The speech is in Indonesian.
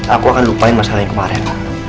aku akan lupain masalah yang kemarin